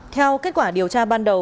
theo kết quả điều tra ban đầu